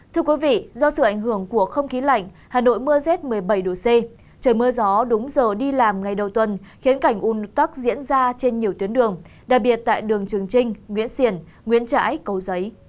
thưa quý vị do sự ảnh hưởng của không khí lạnh hà nội mưa rét một mươi bảy độ c trời mưa gió đúng giờ đi làm ngày đầu tuần khiến cảnh un tắc diễn ra trên nhiều tuyến đường đặc biệt tại đường trường trinh nguyễn xiển nguyễn trãi cầu giấy